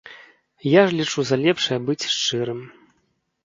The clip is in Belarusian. Я ж лічу за лепшае быць шчырым.